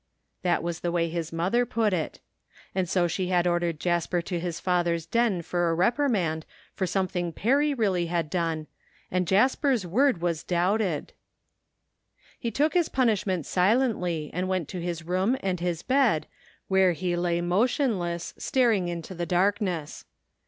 That was the way his mother put it And so she had ordered Jasper to his father's den for a reprimand for some thing Perry really had done, and Jasper's word was doubted ! 144 THE FINDING OF JASPER HOLT He took his pomishment silently and went to his room and his bed, where he lay motionless staring into the darkness.